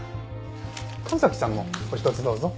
神崎さんもお一つどうぞ。